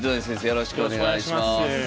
よろしくお願いします。